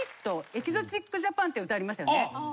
『エキゾチック・ジャパン』って歌ありましたよね。